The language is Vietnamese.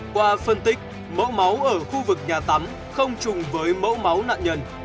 qua phân tích mẫu máu ở khu vực nhà tắm không chùng với mẫu máu nạn nhân